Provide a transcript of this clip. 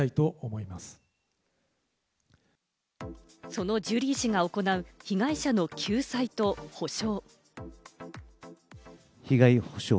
そのジュリー氏が行う被害者の救済と補償。